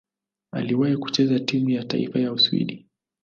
Aliwahi kucheza timu ya taifa ya Uswidi.